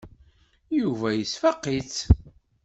Yuba yesfaq-itt.